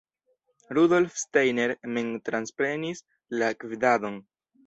Rudolf Steiner mem transprenis la gvidadon.